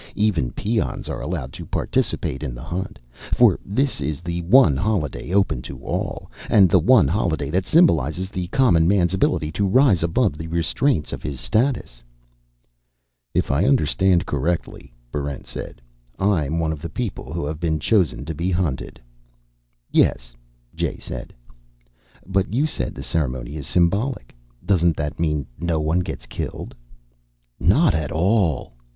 Even peons are allowed to participate in the Hunt, for this is the one holiday open to all, and the one holiday that symbolizes the common man's ability to rise above the restraints of his status." "If I understand correctly," Barrent said, "I'm one of the people who have been chosen to be hunted." "Yes," Jay said. "But you said the ceremony is symbolic. Doesn't that mean no one gets killed?" "Not at all!"